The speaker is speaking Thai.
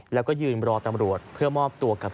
แล้วก็ยืนรอธรรมรุทเผอร์มอบตัวกับ